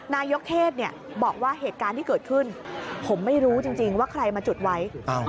นายกเทศบอกว่าเหตุการณ์ที่เกิดขึ้นผมไม่รู้จริงว่าใครมาจุดไว้